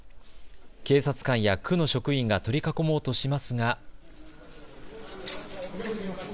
警察官や区の職員が取り囲もうとしますが。